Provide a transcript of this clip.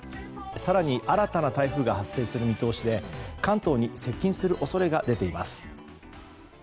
更に、新たな台風が発生する見通しで関東に接近する恐れが出ています。